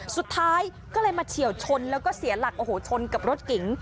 สุดท้ายก็เลยมาเฉียวชนแล้วก็เสียหลักโอ้โหชนกับรถเก๋ง